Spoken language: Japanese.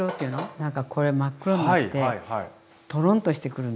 何かこれ真っ黒になってトロンとしてくるの。